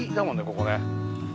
ここね。